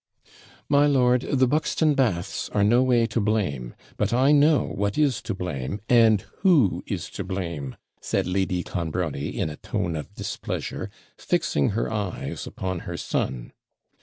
'My lord, the Buxton baths are no way to blame; but I know what is to blame, and who is to blame,' said Lady Clonbrony, in a tone of displeasure, fixing her eyes upon her son.